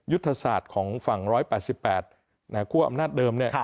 ยุทธศาสตร์ของฝั่ง๑๘๘แหน่งคู่อำนาจเดิมเนี่ย